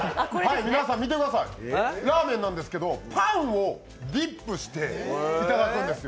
見てくださいラーメンなんですけどパンをディップしていただくんですよ。